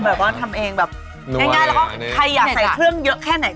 แบบว่าทำเองแบบง่ายแล้วก็ใครอยากใส่เครื่องเยอะแค่ไหน